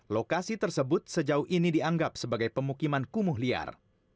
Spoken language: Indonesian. lokasi tersebut sejauh ini dianggap sebagai pemukiman kumuh liar